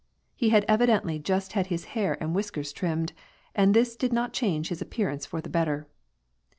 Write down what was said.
He had evi dently just had his hair and whiskers trimmed, and this did not change his appearance for the better.